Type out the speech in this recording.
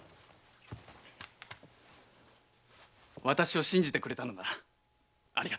私を信じてくれたのだな。